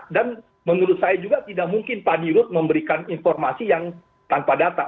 dan menurut saya juga tidak mungkin pak dirut memberikan informasi yang tanpa data